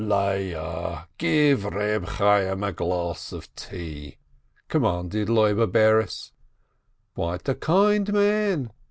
"Leah, give Eeb 'Chayyim a glass of tea," commanded Loibe Bares. "Quite a kind man!"